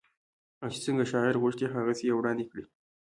او چې څنګه شاعر غوښتي هغسې يې وړاندې کړې